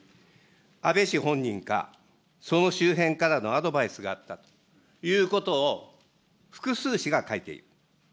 安倍氏本人か、その周辺からのアドバイスがあったということを、複数紙が書いている。